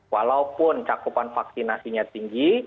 walaupun cakupan vaksinasinya tinggi